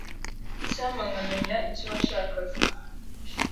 Icyampa nkamenya icyo washakaga.